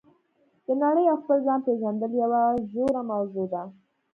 د نړۍ او خپل ځان پېژندل یوه ژوره موضوع ده.